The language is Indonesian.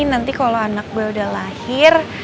nanti kalau anak gue udah lahir